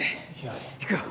行くよ。